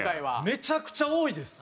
めちゃくちゃ多いです。